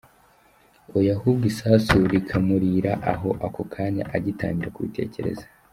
Oya, ahubwo isasu rikamurira aho ako kanya agitangira kubitekereza.